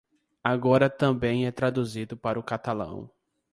Agora também é traduzido para o catalão.